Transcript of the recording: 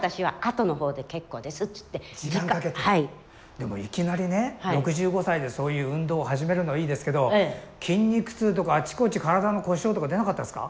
でもいきなりね６５歳でそういう運動を始めるのはいいですけど筋肉痛とかあちこち体の故障とか出なかったですか？